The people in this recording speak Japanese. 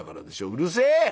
「うるせえ！